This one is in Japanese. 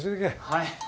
はい。